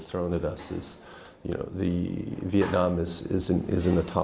trong cuộc chiến tiếp theo